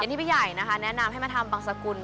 ที่พี่ใหญ่นะคะแนะนำให้มาทำบังสกุล